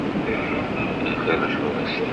این خیلی دشوار است.